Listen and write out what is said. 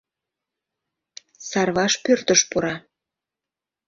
Сарваш пӧртыш пура.